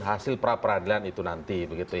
hasil pra peradilan itu nanti